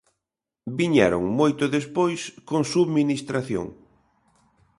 Viñeron moito despois con subministración.